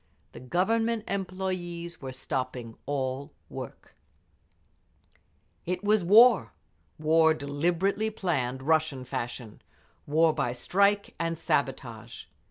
The Government employees were all stopping work…. It was war—war deliberately planned, Russian fashion; war by strike and sabotage.